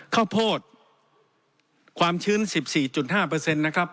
ข้าวโพดความชื้นสิบสี่จุดห้าเปอร์เซ็นต์นะครับ